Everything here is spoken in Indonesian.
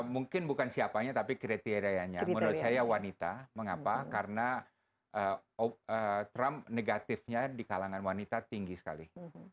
mungkin bukan siapanya tapi kriterianya menurut saya wanita mengapa karena trump negatifnya di kalangan wanita tinggi sekali